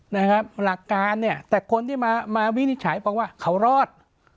หลักการเนี่ยแต่คนที่มามาวินิจฉัยบอกว่าเขารอด